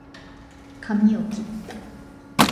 かみをきった